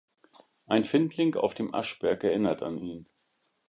Ein Findling auf dem Aschberg erinnert an ihn.